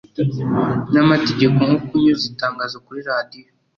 n amategeko nko kunyuza itangazo kuri Radiyo